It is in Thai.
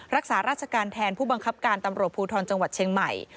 รักษาราชการแทนผู้บังคับการตำรวจภูทรจังหวัดเชียงใหม่